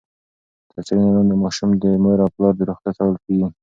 تر څېړنې لاندې ماشومان د مور او پلار د روغتیا څارل کېږي.